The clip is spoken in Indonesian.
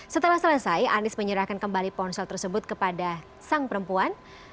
setelah selesai anies menyerahkan kembali ponsel tersebut kepada sang perempuan